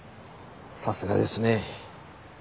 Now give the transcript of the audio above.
さすがですね。